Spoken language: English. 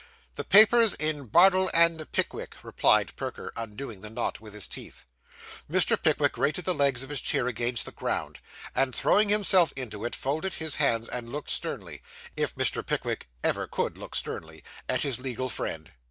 'The papers in Bardell and Pickwick,' replied Perker, undoing the knot with his teeth. Mr. Pickwick grated the legs of his chair against the ground; and throwing himself into it, folded his hands and looked sternly if Mr. Pickwick ever could look sternly at his legal friend.